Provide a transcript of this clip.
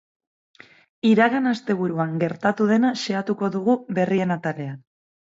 Iragan asteburuan gertatu dena xehatuko dugu berrien atalean.